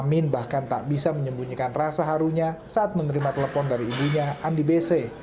amin bahkan tak bisa menyembunyikan rasa harunya saat menerima telepon dari ibunya andi bese